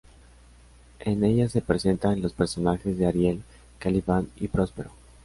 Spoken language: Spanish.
En ella se presentan los personajes de Ariel, Calibán y Próspero.